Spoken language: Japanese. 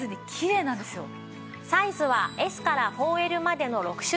サイズはＳから４Ｌまでの６種類。